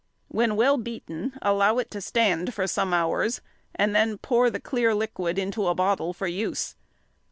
When well beaten, allow it to stand for some hours, and then pour the clear liquid into a bottle for use.